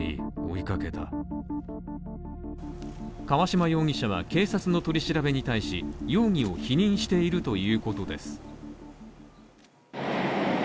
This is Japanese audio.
川島容疑者は警察の取り調べに対し、容疑を否認しているということです。